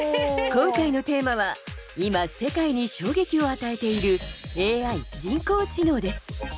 今回のテーマは今、世界に衝撃を与えているＡＩ＝人工知能です。